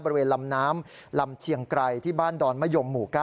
บริเวณลำน้ำลำเชียงไกรที่บ้านดอนมะยมหมู่๙